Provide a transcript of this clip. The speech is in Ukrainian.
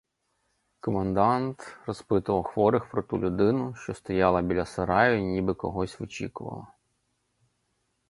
Комендант розпитував хворих про ту людину, що стояла біля сараю й ніби когось вичікувала.